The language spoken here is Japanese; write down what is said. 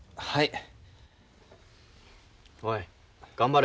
はい。